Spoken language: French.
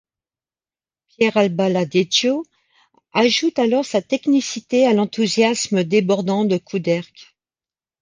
Pierre Albaladejo ajoute alors sa technicité à l'enthousiasme débordant de Couderc.